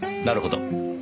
なるほど。